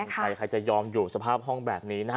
ใครจะยอมอยู่สภาพห้องแบบนี้นะฮะ